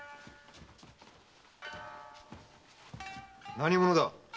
何者だ？